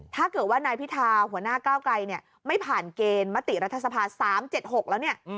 ถ้าเกิดว่านายพิธาหัวหน้าก้าวไกลเนี่ยไม่ผ่านเกณฑ์มติรัฐสภา๓๗๖แล้วเนี่ย